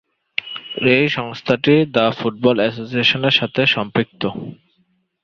এই সংস্থাটি the football অ্যাসোসিয়েশনের সাথে সম্পৃক্ত।